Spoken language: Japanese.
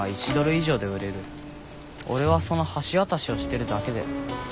俺はその橋渡しをしてるだけだよ。